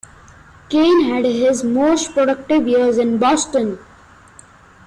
Cain had his most productive years in Boston.